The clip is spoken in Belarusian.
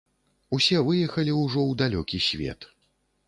Усе выехалі ўжо ў далёкі свет.